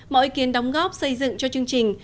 mọi ý kiến đóng góp xây dựng cho chương trình